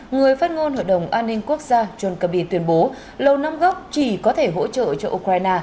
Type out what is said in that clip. người phát ngôn hội đồng an ninh quốc gia john kirby tuyên bố lầu năm góc chỉ có thể hỗ trợ cho ukraine